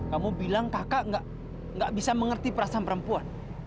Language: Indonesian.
kamu bilang kakak gak bisa mengerti perasaan perempuan